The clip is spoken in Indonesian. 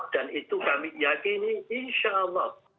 dan itu kami yakini insya allah